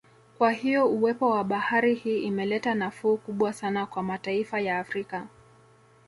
Kwa hiyo uwepo wa bahari hii imeleta nafuu kubwa sana kwa mataifa ya Afrika